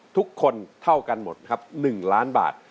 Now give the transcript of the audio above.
ทุกคนเท่ากันหมดครับ๑ล้านบาท